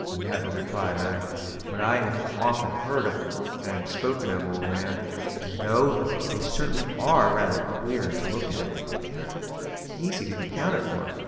"Never," replied I, "but I have often heard them spoken of, old man; and though they certainly are rather queer to look at, they are easily accounted for.